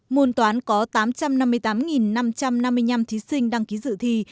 môn toán có tám trăm năm mươi tám năm trăm năm mươi năm thí sinh đăng ký dự thi